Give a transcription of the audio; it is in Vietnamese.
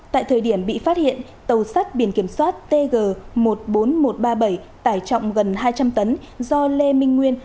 tại thời điểm bị phát hiện tàu sắt biển kiểm soát tg một mươi bốn nghìn một trăm ba mươi bảy tải trọng gần hai trăm linh tấn do lê minh nguyên